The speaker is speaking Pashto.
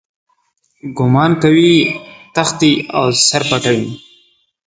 ګومان کوي تښتي او سر پټوي.